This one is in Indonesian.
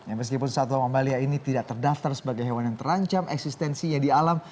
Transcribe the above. meskipun satu orang balia ini tidak terdaftar sebagai hewan yang terancam eksistensinya di alam